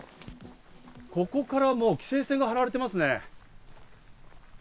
ここからも規制線が張られていますね。